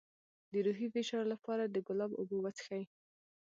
د روحي فشار لپاره د ګلاب اوبه وڅښئ